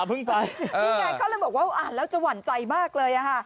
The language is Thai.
นี่ไงเขาเลยบอกว่าอ่านแล้วจะหวั่นใจมากเลยอ่ะค่ะ